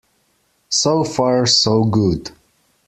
So far so good.